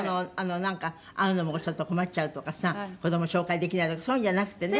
なんか会うのもちょっと困っちゃうとかさ子供を紹介できないとかそういうのじゃなくてね。